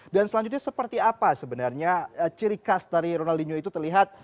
dan selanjutnya seperti apa sebenarnya ciri khas dari ronaldinho itu terlihat